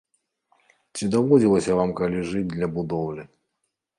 Ці даводзілася вам калі жыць ля будоўлі?